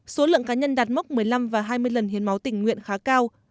số lượng cá nhân đạt mốc một mươi năm và hai mươi lần hiến máu tình nguyện khá cao